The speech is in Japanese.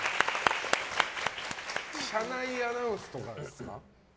車内アナウンスとかですか？